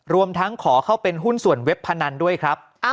รวมทั้งขอเข้าเป็นหุ้นส่วนเว็บพนันด้วยครับ